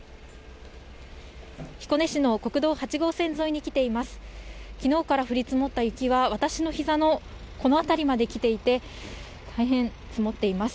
彦根市の国道８号線沿いに来ています。